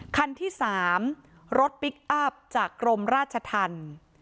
คันที่สามรถจากกรมราชทัน